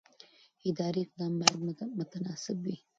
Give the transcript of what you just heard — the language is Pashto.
اداري اقدام باید متناسب وي.